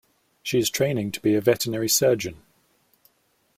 She is training to be a veterinary surgeon